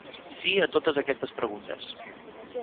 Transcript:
Sí a totes aquestes preguntes.